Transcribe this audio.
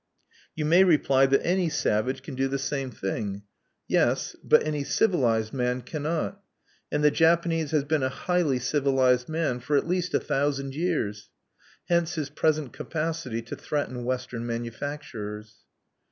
You may reply that any savage can do the same thing. Yes, but any civilized man cannot; and the Japanese has been a highly civilized man for at least a thousand years. Hence his present capacity to threaten Western manufacturers.